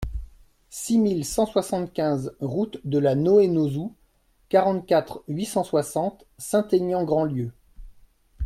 six mille cent soixante-quinze route de la Noë Nozou, quarante-quatre, huit cent soixante, Saint-Aignan-Grandlieu